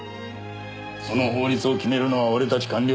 その法律を決めるのは俺たち官僚じゃない。